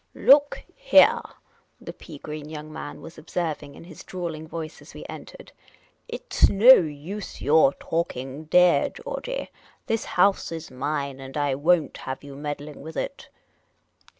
" Look heah," the pea green young man was observing, in his drawling voice, as we entered ;" it 's no use your talking, deah Georgey. This house is mine, and I won't have you meddling with it."